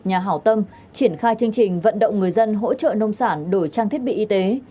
nhà hảo tâm triển khai chương trình vận động người dân hỗ trợ nông sản đổi trang thiết bị y tế